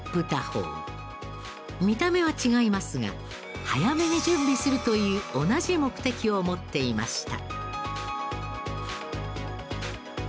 見た目は違いますが早めに準備するという同じ目的を持っていました。